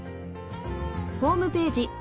ホームページ